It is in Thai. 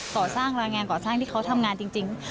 ก่อช่างก่อแข่งที่เขาทำงานจริง